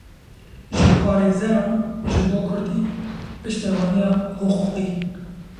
Ji parêzeran ji bo kurdî piştevaniya hiqûqî.